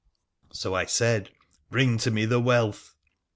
Sc I said, Bring to me the wealth